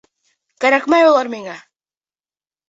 Кәрәкмәй улар миңә.